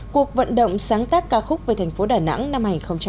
cuộc vận động sáng tác ca khúc về tp đà nẵng năm hai nghìn một mươi tám